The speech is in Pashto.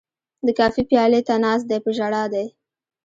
د کافي پیالې ته ناست دی په ژړا دی